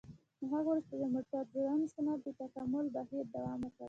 له هغه وروسته د موټر جوړونې صنعت د تکامل بهیر دوام وکړ.